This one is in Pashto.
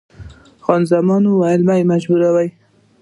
خان زمان وویل، مه مې مجبوروه.